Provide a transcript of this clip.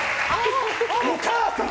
お母さん！